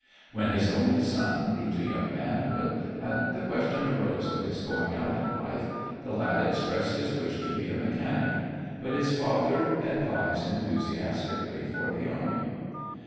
When his only son grew to young manhood, and the question arose of his going out in life, the lad expressed his wish to be a mechanic. But his father advised enthusiastically for the army.